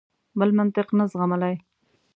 بل منطق نه زغملای.